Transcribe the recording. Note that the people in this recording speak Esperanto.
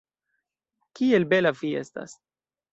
Kiel bela vi estas!